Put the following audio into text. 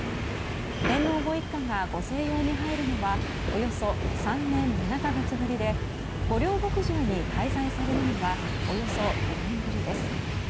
天皇ご一家が御静養に入られるのはおよそ３年７か月ぶりで御料牧場に滞在されるのはおよそ５年ぶりです。